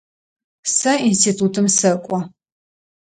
Сэ институтым сэкӏо.